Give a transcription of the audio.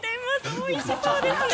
おいしそうですね。